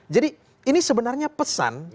jadi ini sebenarnya pesan